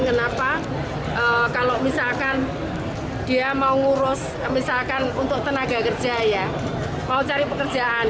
kenapa kalau misalkan dia mau ngurus misalkan untuk tenaga kerja ya mau cari pekerjaan